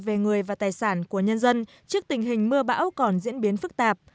về người và tài sản của nhân dân trước tình hình mưa bão còn diễn biến phức tạp